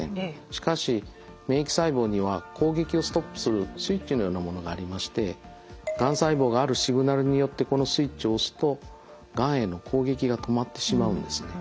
しかし免疫細胞には攻撃をストップするスイッチのようなものがありましてがん細胞があるシグナルによってこのスイッチを押すとがんへの攻撃が止まってしまうんですね。